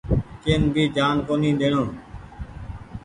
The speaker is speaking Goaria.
ڪين ڀي جآن ڪونيٚ ۮيڻو۔